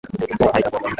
কোথায় যাবো আমরা?